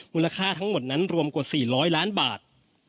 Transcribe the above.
มูลค่าทั้งหมดนั้นรวมกว่า๔๐๐ล้านบาท